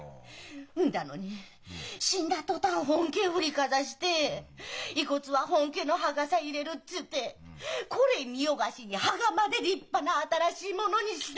んだのに死んだ途端本家振りかざして遺骨は本家の墓さ入れるっつってこれ見よがしに墓まで立派な新しいものにして。